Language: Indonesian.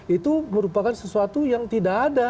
itu merupakan sesuatu yang tidak ada